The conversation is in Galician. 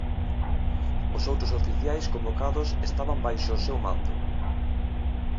Os outros oficiais convocados estaban baixo o seu mando.